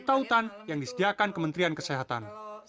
peralatan yang disediakan kementrian kesehatan